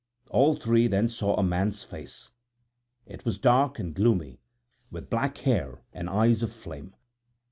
All three then saw a man's face; it was dark and gloomy with black hair and eyes of flame.